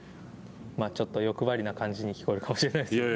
ちょっと欲張りな感じに聞こえるかもしれないですね。